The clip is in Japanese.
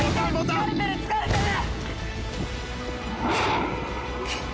疲れてる疲れてる！